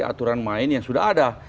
aturan main yang sudah ada